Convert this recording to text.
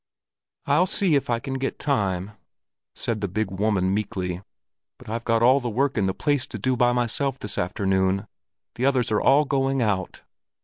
"I'll see if I can get time," said the big woman meekly. "But I've got all the work in the place to do by myself this afternoon; the others are all going out."